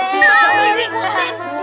nah berikut nih